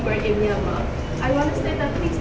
เพราะว่าพวกมันต้องรักษาอินเตอร์